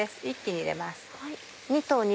一気に入れます。